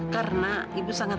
karena ibu sangat